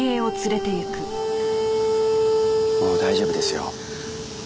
もう大丈夫ですよ。